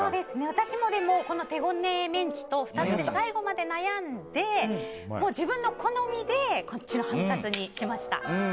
私も手ごねメンチと２つで最後まで悩んで自分の好みでこっちのハムカツにしました。